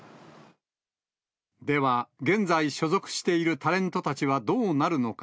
では、現在所属しているタレントたちはどうなるのか。